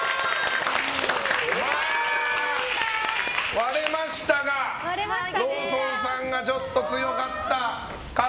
割れましたがローソンさんがちょっと強かった。